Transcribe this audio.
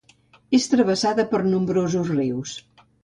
És travessada per nombrosos rius.